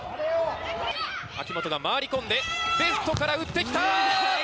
秋本が回り込んでレフトから打ってきた。